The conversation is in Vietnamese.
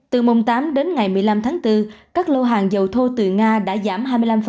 từ mùng tám đến ngày một mươi năm tháng bốn các lô hàng dầu thô từ nga đã giảm hai mươi năm